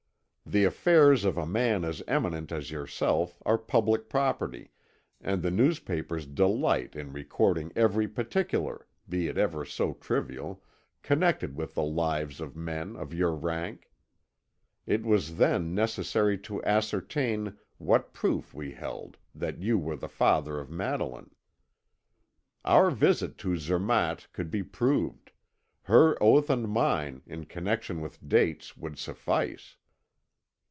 The affairs of a man as eminent as yourself are public property, and the newspapers delight in recording every particular, be it ever so trivial, connected with the lives of men of your rank. It was then necessary to ascertain what proof we held that you were the father of Madeline. Our visit to Zermatt could be proved her oath and mine, in connection with dates, would suffice.